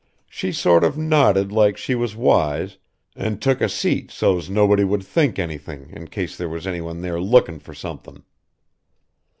She sort of nodded like she was wise, an' took a seat so's nobody would think anything in case there was anyone there lookin' for something.